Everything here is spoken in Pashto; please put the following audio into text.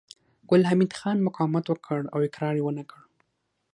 ګل حمید خان مقاومت وکړ او اقرار يې ونه کړ